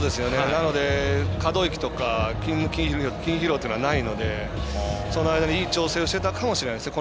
なので、可動域とか筋疲労というのがないのでその間にいい調整をしてたかもしれないですね。